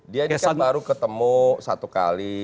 dia ini kan baru ketemu satu kali